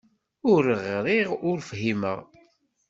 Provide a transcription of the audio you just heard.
Ur ɣriɣ, ur fhimeɣ.